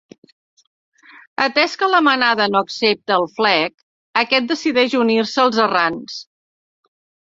Atès que la manada no accepta el Fleck, aquest decideix unir-se als Errants.